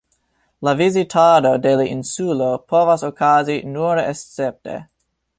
La vizitado de la insulo povas okazi nur escepte.